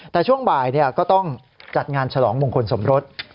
แต่ช่วงบ่ายก็ต้องจัดงานฉลองมงคลสมรส